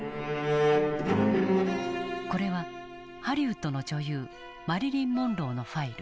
これはハリウッドの女優マリリン・モンローのファイル。